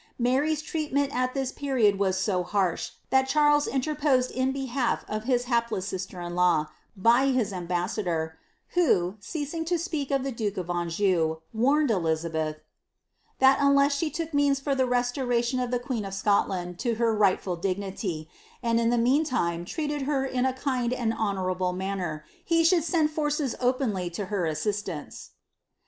Mary's treatment at this period was so harsh, that Charles interposed in behalf of his hapless sister in law, by his ambas sador, who, ceasing to speak of the duke of Anjou, warned Elizabeth, •* that unless she took means for the restoration of the queen of Scot land to her rightful dignity, and in the meantime treated her in a kind and honourable manner, he should send forces openly to her assistr ance."